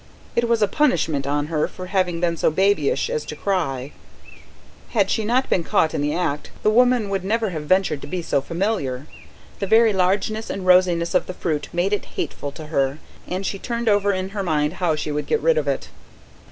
It was a punishment on her for having been so babyish as to cry; had she not been caught in the act, the woman would never have ventured to be so familiar. The very largeness and rosiness of the fruit made it hateful to her, and she turned over in her mind how she could get rid of it.